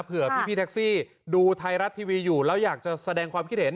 เผื่อพี่แท็กซี่ดูไทยรัฐทีวีอยู่แล้วอยากจะแสดงความคิดเห็น